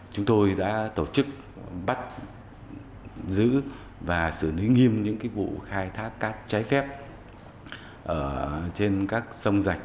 chúng tôi đã tổ chức bắt giữ và xử lý nghiêm những vụ khai thác cát trái phép trên các sông rạch